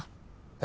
え？